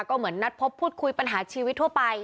ก็เหมือนนัดพบพูดคุยปัญหาชีวิตทั่วไป